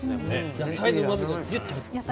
野菜のうまみがぎゅっと入っている。